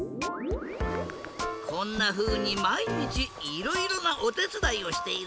こんなふうにまいにちいろいろなおてつだいをしているんだ。